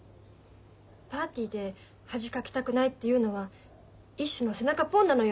パーティーで恥かきたくないっていうのは一種の背中ポンなのよ。